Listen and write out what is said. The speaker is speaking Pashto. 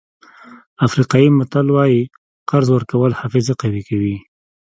افریقایي متل وایي قرض ورکول حافظه قوي کوي.